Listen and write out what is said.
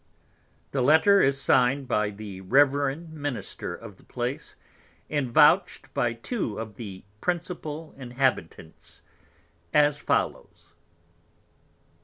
The Letter is sign'd by the reverend Minister of the Place, and vouched by two of the principal Inhabitants, as follows.